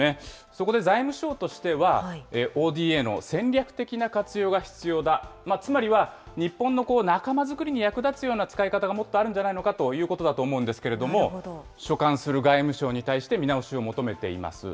そこで財務省としては、ＯＤＡの戦略的な活用が必要だ、つまりは日本の仲間づくりに役立つような使い方がもっとあるんじゃないのかということだと思うんですけれども、所管する外務省に対して見直しを求めています。